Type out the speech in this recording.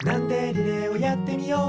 リレーをやってみよう！」